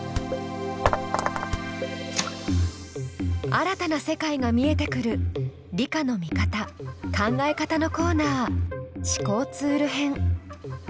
新たな世界が見えてくる理科の見方・考え方のコーナー思考ツール編。